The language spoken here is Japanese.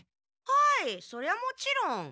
はいそりゃもちろん。